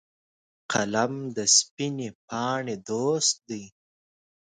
قلم د سپینې پاڼې دوست دی